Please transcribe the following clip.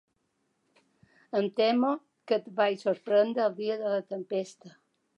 Em temo que et vaig sorprendre el dia de la tempesta.